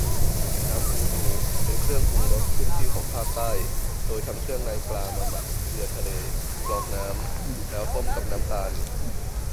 น้ำบูดู เป็นเครื่องปรุงรสขึ้นชื่อของภาคใต้ โดยทำเครื่องในปลามาหมักเกลือทะเล กรองน้ำ แล้วต้มกับน้ำตาล